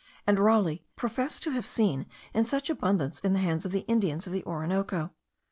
and Raleigh profess to have seen in such abundance in the hands of the Indians of the Orinoco.